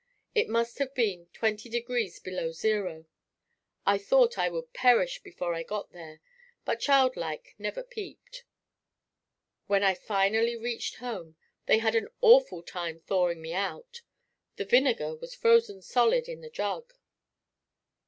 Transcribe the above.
It must have been twenty degrees below zero. I thought I would perish before I got there, but childlike, never peeped. When I finally reached home, they had an awful time thawing me out. The vinegar was frozen solid in the jug.